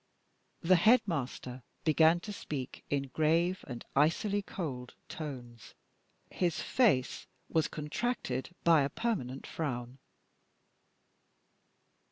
The headmaster began to speak in grave and icily cold tones; his face was contracted by a permanent frown.